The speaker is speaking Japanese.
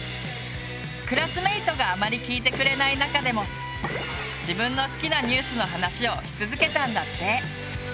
クラスメートがあまり聞いてくれない中でも自分の好きなニュースの話をし続けたんだって。